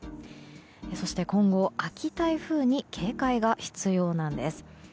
そして、今後秋台風に警戒が必要なんです。